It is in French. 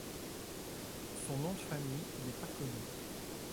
Son nom de famille n'est pas connu.